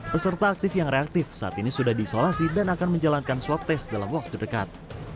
peserta aktif yang reaktif saat ini sudah diisolasi dan akan menjalankan swab test dalam waktu dekat